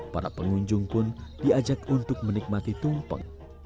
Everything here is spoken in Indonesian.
para pengunjung pun diajak untuk menikmati tumpeng